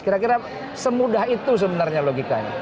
kira kira semudah itu sebenarnya logikanya